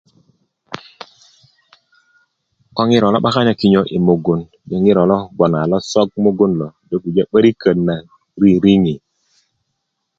ko ŋiro lo 'bakan na kinyö i mugun ŋiro lo bgoŋ a losok mugun lo do pujö di 'boriköt na ririŋi